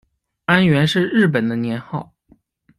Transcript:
安元是日本的年号。